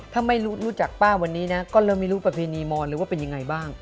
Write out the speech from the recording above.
ถ้าไม่รู้จักป้าวันนี้นะก็เริ่มไม่รู้ประเพณีมอนเลยว่าเป็นยังไงบ้าง